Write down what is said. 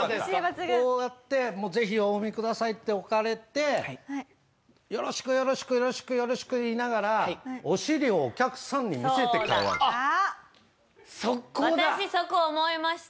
こうやってもうぜひお読みくださいって置かれてよろしくよろしくよろしくよろしく言いながらお尻をお客さんに見せて帰られた。